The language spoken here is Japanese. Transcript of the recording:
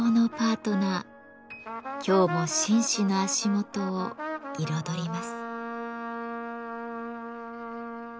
今日も紳士の足元を彩ります。